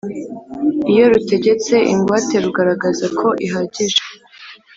Iyo Rutegetse Ingwate Rugaragaza Ko Ihagije